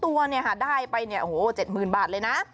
ตัวเนี่ยค่ะได้ไปเนี่ยโอ้โห๗๐๐บาทเลยนะ